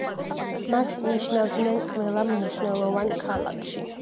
მას ნიშნავდნენ ყველა მნიშვნელოვან ქალაქში.